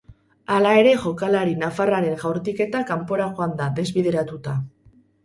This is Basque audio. Hala ere jokalari nafarraren jaurtiketa kanpora joan da desbideratuta.